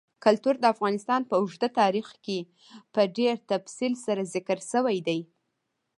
کلتور د افغانستان په اوږده تاریخ کې په ډېر تفصیل سره ذکر شوی دی.